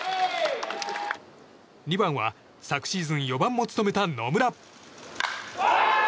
２番は、昨シーズン４番も務めた野村。